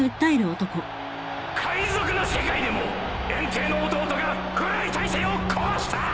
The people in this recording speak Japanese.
海賊の世界でも炎帝の弟が古い体制を壊した。